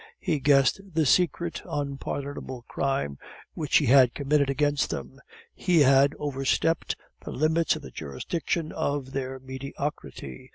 He guessed the secret unpardonable crime which he had committed against them; he had overstepped the limits of the jurisdiction of their mediocrity.